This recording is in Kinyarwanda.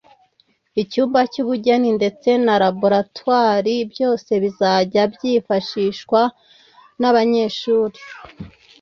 icyumba cy’ubugeni ndetse na laboratwari byose bizajya byifashihwa n’abanyeshuri